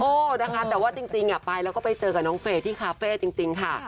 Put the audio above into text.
นะคะแต่ว่าจริงไปแล้วก็ไปเจอกับน้องเฟย์ที่คาเฟ่จริงค่ะ